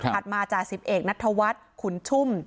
ผ่านมาจาสิบเอกณัฐวัฒน์ขุนชุ่ม